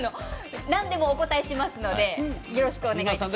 何でもお答えしますのでよろしくお願いします。